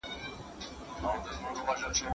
که میتودولوژي سمه نه وي څېړنه له خنډ سره مخ کیږي.